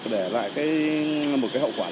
để lại một cái hậu quả